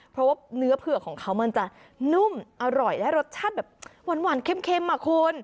เพราะว่าเนื้อเผือกของเขามันจะนุ่มอร่อยและรสชาติแบบหวานเค็มอ่ะคุณ